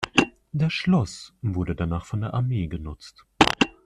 Das Schloss wurde danach von der Armee genutzt.